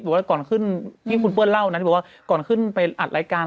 ว่าก่อนขึ้นที่คุณเปิ้ลเล่านะที่บอกว่าก่อนขึ้นไปอัดรายการ